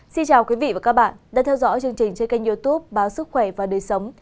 xin chào quý vị và các bạn đang theo dõi chương trình trên kênh youtube báo sức khỏe và đời sống